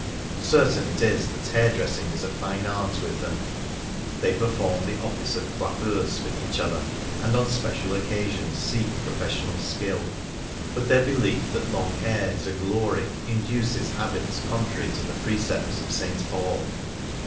Certain it is that hair dressing is a fine art with them ; they perform the office of coiffeuse for each other, and on special occasions seek professional skill. But their belief that long hair is a glory induces habits contrary to the precepts of St. Paul.